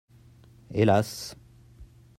Hélas